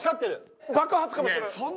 爆発かもしれん。